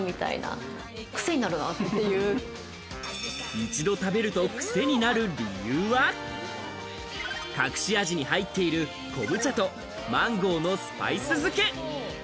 一度食べるとクセになる理由は、隠し味に入っている昆布茶と、マンゴーのスパイス漬け。